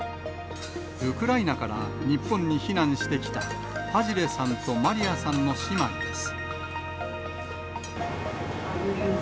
ウクライナから日本に避難してきたファジレさんとマリアさんの姉妹です。